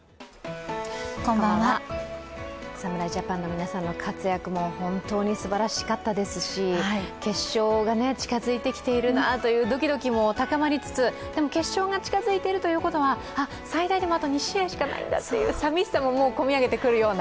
侍ジャパンの皆さんの活躍も本当にすばらしかったですし決勝が近づいてきているなというドキドキも高まりつつ、でも決勝が近づいているということは、最大であと２試合しかないんだという寂しさもこみ上げてくるような。